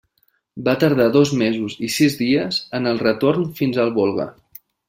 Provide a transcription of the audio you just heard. Va tardar dos mesos i sis dies en el retorn fins al Volga.